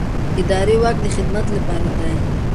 اداري واک د خدمت لپاره دی.